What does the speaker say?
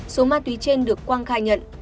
số ma túy trên được quang khai nhận